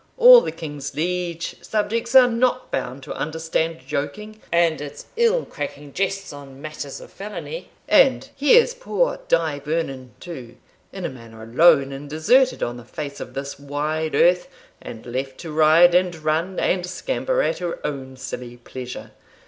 all the king's liege subjects are not bound to understand joking, and it's ill cracking jests on matters of felony. And here's poor Die Vernon too in a manner alone and deserted on the face of this wide earth, and left to ride, and run, and scamper, at her own silly pleasure.